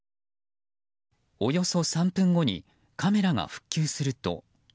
およそ３分後にカメラが復旧すると。